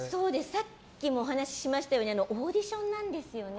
さっきもお話ししましたようにオーディションなんですよね。